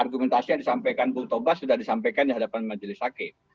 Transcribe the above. argumentasinya yang disampaikan bokto bas sudah disampaikan di hadapan majelis sakit